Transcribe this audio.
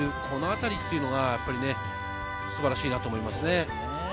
このあたりっていうのが素晴らしいなと思います。